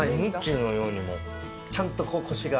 ちゃんとこしが。